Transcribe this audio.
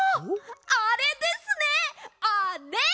あれですねあれ！